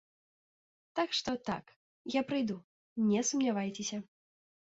Так што так, я прыйду, не сумнявайцеся.